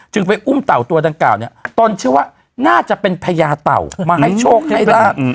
ไปอุ้มเต่าตัวดังกล่าวเนี่ยตนเชื่อว่าน่าจะเป็นพญาเต่ามาให้โชคให้ลาบ